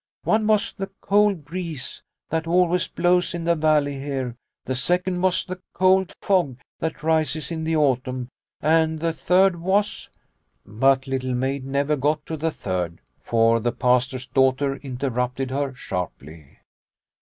One was the cold breeze that always blows in the valley here, the second was the cold fog that rises in the autumn, and the third was " But Little Maid never got to the third, for the Pastor's daughter interrupted her sharply.